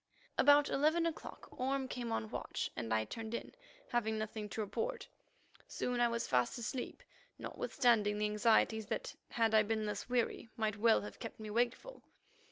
About eleven o'clock Orme came on watch, and I turned in, having nothing to report. Soon I was fast asleep, notwithstanding the anxieties that, had I been less weary, might well have kept me wakeful.